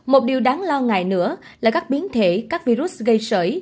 một điều đáng lo ngại nữa là các biến thể các virus gây sở